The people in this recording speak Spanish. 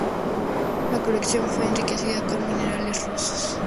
La colección fue enriquecida con minerales rusos.